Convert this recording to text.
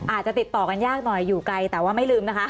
อาจจะติดต่อกันยากหน่อยอยู่ไกลแต่ว่าไม่ลืมนะคะ